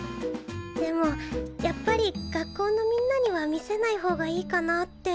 でもやっぱり学校のみんなには見せない方がいいかなって。